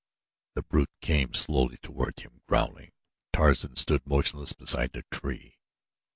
The brute came slowly toward him, growling. Tarzan stood motionless beside a tree.